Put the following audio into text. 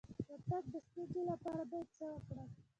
د تګ د ستونزې لپاره باید څه وکړم؟